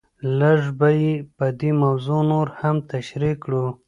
لږ به یې په دې موضوع نور هم تشریح کړو.